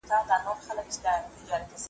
دا سر زوري خلک غوږ پر هره وینا نه نیسي ,